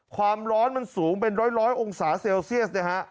ความร้อนมันสูงไป๑๐๐องศาเซลเซียส